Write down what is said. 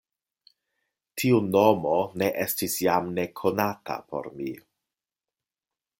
Tiu nomo ne estis jam nekonata por mi.